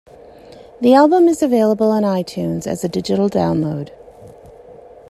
The album is available on iTunes as a digital download.